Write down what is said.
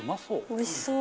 おいしそう！